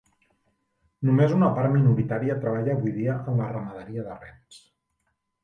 Només una part minoritària treballa avui en dia en la ramaderia de rens.